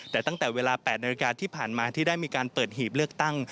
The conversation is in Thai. แต่ตั้งแต่เวลา๘นาฬิกาที่ผ่านมาที่ได้มีการเปิดหีบเลือกตั้ง